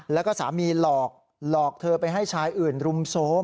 แล้วก็สามีหลอกหลอกเธอไปให้ชายอื่นรุมโทรม